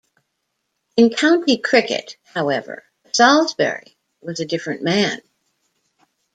In county cricket, however, Salisbury was a different man.